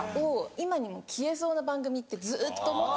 今にも消えそうな番組ってずっと思って。